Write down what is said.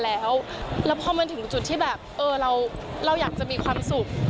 แล้วพอมันถึงจุดที่แบบเราอยากจะมีความสุข